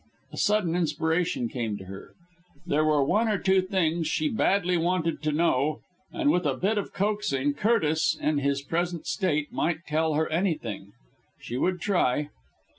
A sudden inspiration came to her. There were one or two things she badly wanted to know and with a bit of coaxing, Curtis, in his present state, might tell her anything. She would try.